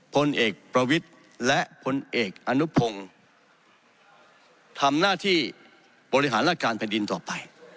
พลเอกประวิทย์และพลเอกอนุพงศ์ทำหน้าที่บริหารราชการแผ่นดินต่อไป